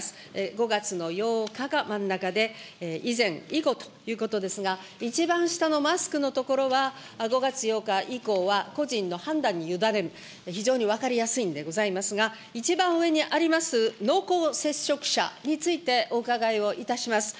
５月の８日が真ん中で、以前、以後ということですが、一番下のマスクのところは５月８日以降は個人の判断に委ねる、非常に分かりやすいんでございますが、一番上にあります濃厚接触者についてお伺いをいたします。